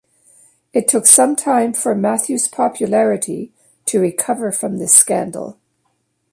It took some time for Matthews' popularity to recover from this scandal.